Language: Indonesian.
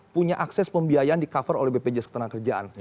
punya akses pembiayaan di cover oleh bpj sekretaris ketenangan kerjaan